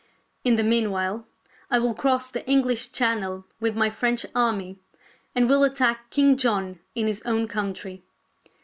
In the meanwhile I will cross the English Channel with my French army, and will attack King John in his own country.